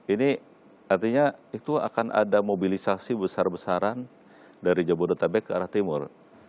ini artinya itu akan ada mobilisasi besar besaran dari jabodetabek ke arah timur